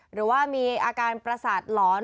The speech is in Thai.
หรือว่ามีอาการประสาทหลอน